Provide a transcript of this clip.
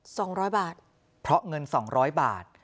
สองร้อยบาทเพราะเงินสองร้อยบาท